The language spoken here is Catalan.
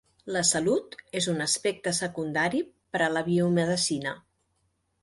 La salut és un aspecte secundari per a la biomedicina.